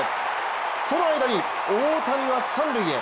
その間に、大谷は三塁へ。